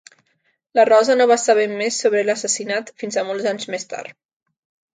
La Rosa no va saber més sobre l'assassinat fins a molts anys més tard.